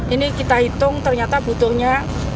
ini kita hitung ternyata butuhnya